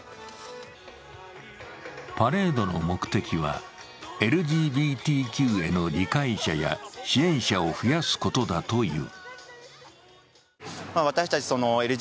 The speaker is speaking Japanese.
パレードの目的は、ＬＧＢＴＱへの理解者や支援者を増やすことだという。